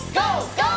ＧＯ！